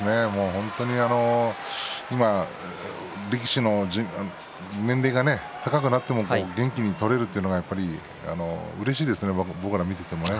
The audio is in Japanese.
本当に今、力士の年齢が高くなっても元気に取れるというのがやっぱり、うれしいですね